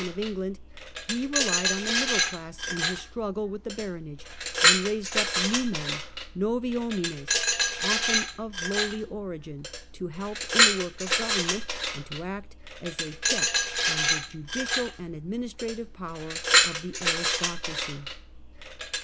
of England, he relied on the middle class in his struggle with the baronage, and raised up " new men " (novi homines), often of lowly origin, to help in the work of government and to act as a check on the judicial and administrative power of the aristocracy.